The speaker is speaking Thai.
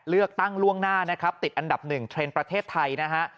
เลือกตั้งล่วงหน้านะครับติดอันดับ๑เทรนด์ประเทศไทยนะฮะ